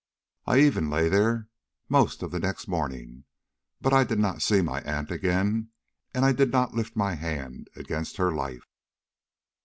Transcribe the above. I even lay there most of the next morning; but I did not see my aunt again, and I did not lift my hand against her life."